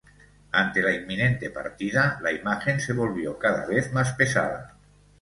Ante la inminente partida, la imagen se volvió cada vez más pesada.